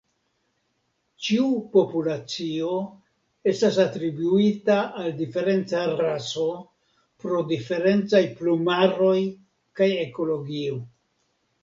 Ĉiu populacio estas atribuata al diferenca raso pro diferencaj plumaroj kaj ekologio.